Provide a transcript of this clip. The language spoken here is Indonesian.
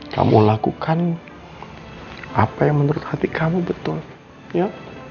kamu lakukan apa yang menurut hati kamu betul ya